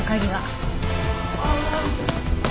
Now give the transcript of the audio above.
ああ。